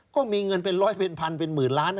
ก็มีเงินเป็นร้อยเป็นพันเป็นหมื่นล้าน